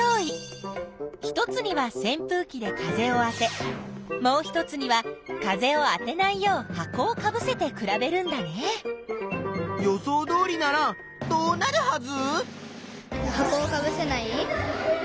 １つには扇風機で風をあてもう１つには風をあてないよう箱をかぶせて比べるんだね。予想どおりならどうなるはず？